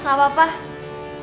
sini tah selamat ketahuan